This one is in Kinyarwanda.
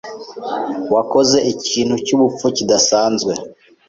Wakoze ikintu cyubupfu kidasanzwe.